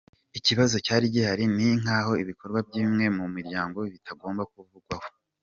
Ikibazo cyari gihari ni nk’aho ibikorwa by’imwe mu miryango bitagomba kuvugwaho.